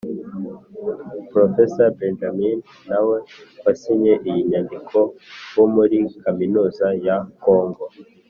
Profeseri Benjamin nawe wasinye iyi nyandiko wo muri kaminuza ya congo